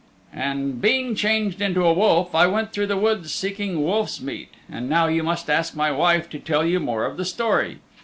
"And being changed into a wolf, I went through the woods seeking wolf's meat. And now you must ask my wife to tell you more of the story."